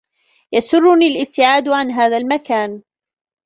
يسرّني الابتعاد عن هذا المكان.